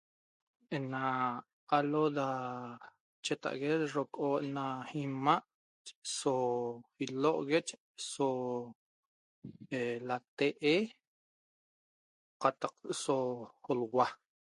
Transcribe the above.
Ena alo da chetague da rochoo ena imaa' so ilohogue so latee' qataq aso l'huaa